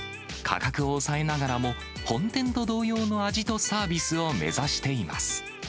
価格を抑えながらも本店と同様の味とサービスを目指しています。